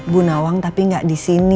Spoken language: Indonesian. bu nawang tapi gak disini